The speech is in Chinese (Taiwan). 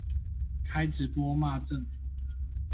開直播罵政府